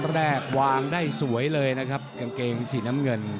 แรกวางได้สวยเลยนะครับกางเกงสีน้ำเงิน